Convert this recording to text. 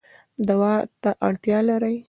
دوا ته اړتیا لرئ